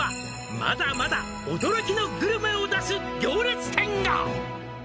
「まだまだ驚きのグルメを出す行列店が！」